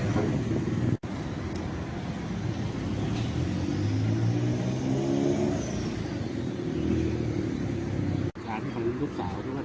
ตอนนี้กำหนังไปคุยของผู้สาวว่ามีคนละตบ